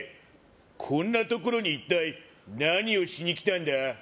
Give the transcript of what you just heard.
こんな所に一体何をしに来たんだ？